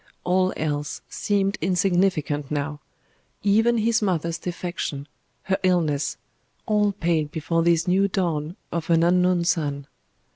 All else seemed insignificant now even his mother's defection, her illness all paled before this new dawn of an unknown sun.